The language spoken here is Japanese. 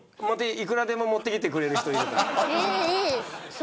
いくらでも持ってきてくれる人がいるから。